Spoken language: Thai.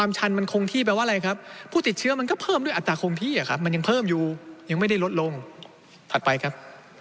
ชันมันคงที่แปลว่าอะไรครับผู้ติดเชื้อมันก็เพิ่มด้วยอัตราคมพี่มันยังเพิ่มอยู่ยังไม่ได้ลดลงถัดไปครับ